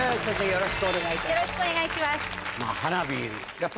よろしくお願いします。